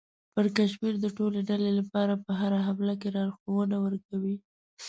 پړکمشر د ټولې ډلې لپاره په هره مرحله کې لارښوونه ورکوي.